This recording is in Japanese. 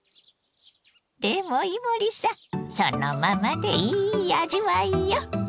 でも伊守さんそのままでいい味わいよ！